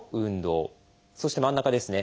そして真ん中ですね。